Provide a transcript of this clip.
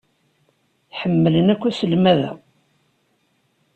Ḥemmlen akk aselmad-a.